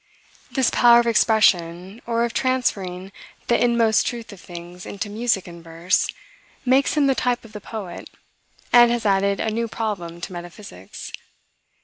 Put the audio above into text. This power of expression, or of transferring the inmost truth of things into music and verse, makes him the type of the poet, and has added a new problem to metaphysics.